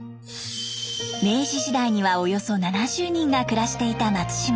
明治時代にはおよそ７０人が暮らしていた松島。